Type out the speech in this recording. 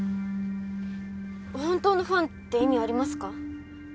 本当のファンって意味ありますか？